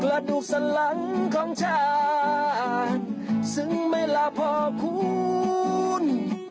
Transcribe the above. และดูสลังของชาติซึ่งไม่ลาพอคุณ